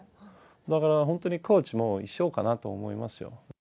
だから本当にコーチも一緒かなと思いますよ。